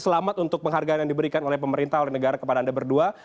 selamat untuk penghargaan yang diberikan oleh pemerintah oleh negara kepada anda berdua